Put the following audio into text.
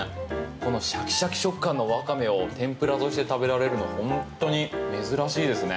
このシャキシャキ食感のワカメを天ぷらとして食べれるの本当に珍しいですね。